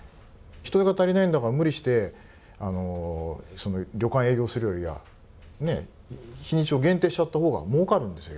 人手が足りないんだから無理して旅館営業するよりはね日にちを限定しちゃったほうがもうかるんですよ